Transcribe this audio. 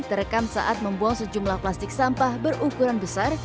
terekam saat membuang sejumlah plastik sampah berukuran besar